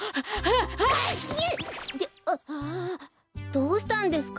どうしたんですか？